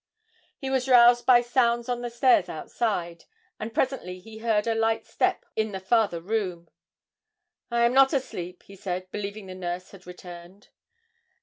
He was roused by sounds on the stairs outside, and presently he heard a light step in the farther room. 'I am not asleep,' he said, believing the nurse had returned.